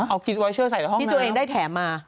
เอากิ๊บไวเชอร์ใส่ละห้องนั้นนะครับที่ตัวเองได้แถมมา